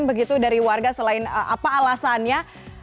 begitu dari warga selain apa alasannya